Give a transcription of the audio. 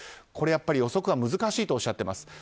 これは予測は難しいとおっしゃっています。